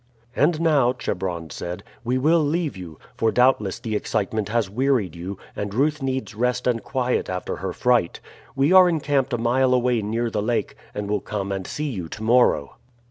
"And now," Chebron said, "we will leave you; for doubtless the excitement has wearied you, and Ruth needs rest and quiet after her fright. We are encamped a mile away near the lake, and will come and see you to morrow."